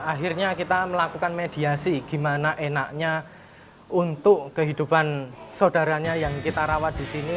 akhirnya kita melakukan mediasi gimana enaknya untuk kehidupan saudaranya yang kita rawat di sini